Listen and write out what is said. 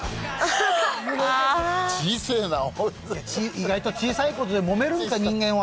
意外と小さいことでもめるんですから人間は。